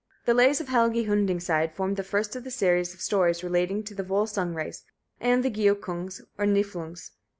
The Lays of Helgi Hundingcide form the first of the series of stories relating to the Volsung race, and the Giukungs, or Niflungs.